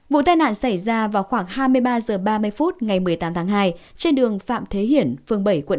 vụ tai nạn xảy ra vào khoảng hai mươi ba h ba mươi phút ngày một mươi tám tháng hai trên đường phạm thế hiển phường bảy quận tám